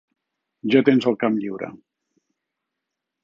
Ja tens el camp lliure.